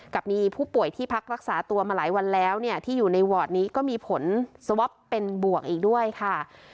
กับมีผู้ป่วยที่พักรักษาตัวมาหลายวันแล้วเนี่ยที่อยู่ในวอร์ดนี้ก็มีผลสวอปเป็นบวกอีกด้วยค่ะ